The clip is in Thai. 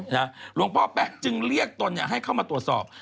หลวงพ่อแป๊ะจึงเรียกตนให้เข้ามาตรวจสอบ